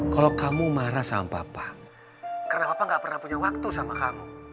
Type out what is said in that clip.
karena papa gak pernah punya waktu sama kamu